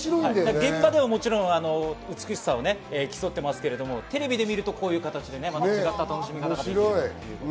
現場では美しさを競っていますが、テレビで見るとこういう形で違った楽しみ方ができます。